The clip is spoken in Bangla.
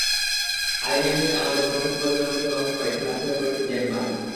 আলী নেমেই আমাদের প্রথম কয়েকজনকে লক্ষ্য করে খেলাচ্ছলে কয়েকটি জ্যাব মারেন।